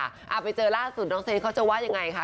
เอาไปเจอล่าสุดน้องเซเขาจะว่ายังไงคะ